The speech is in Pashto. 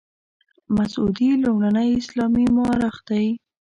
مسعودي لومړنی اسلامي مورخ دی.